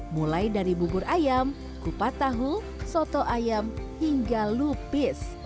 mulai dari bubur ayam kupat tahu soto ayam hingga lupis